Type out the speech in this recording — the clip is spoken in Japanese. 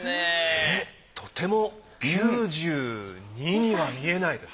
とても９２には見えないです。